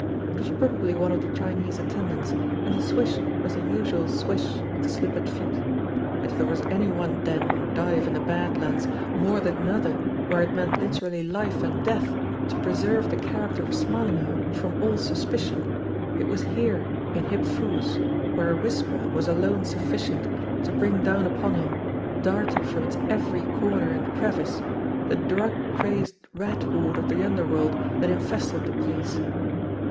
It was probably one of the Chinese attend ants, and the swish was the usual swish of the slippered feet ; but if there was any one den or dive in the Bad Lands more than another where it meant literally life and death to pre serve the character of Smarlinghue from all suspicion, it was here in Hip Foo's where a whisper was alone sufficient to bring down upon him, darting from its every corner and crevice, the drug crazed rat horde of the underworld that infested the place.